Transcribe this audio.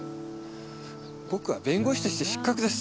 僕は弁護士として失格です。